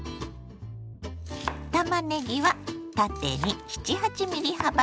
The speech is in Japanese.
たまねぎは縦に７８ｍｍ幅に切ります。